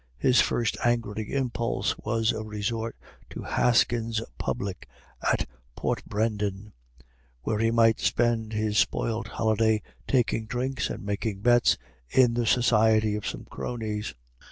His first angry impulse was a resort to Haskin's Public at Portbrendan, where he might spend his spoilt holiday taking drinks and making bets in the society of some cronies.